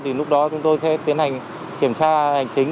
thì lúc đó chúng tôi sẽ tiến hành kiểm tra hành chính